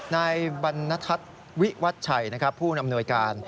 นายบรรณทัศน์วิวัชชัยผู้อำนวยการ